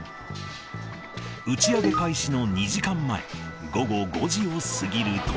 打ち上げ開始の２時間前、午後５時を過ぎると。